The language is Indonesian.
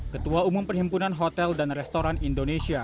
ketua umum perhimpunan hotel dan restoran indonesia